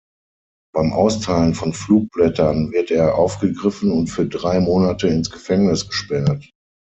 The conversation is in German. Beim Austeilen von Flugblättern wird er aufgegriffen und für drei Monate ins Gefängnis gesperrt.